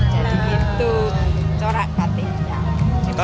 jadi itu corak batiknya